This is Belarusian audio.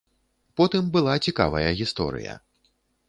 Потым была цікавая гісторыя.